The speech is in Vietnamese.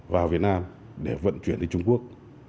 vào việt nam để vận chuyển đến trung quốc